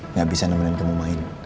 nggak bisa nemenin kamu main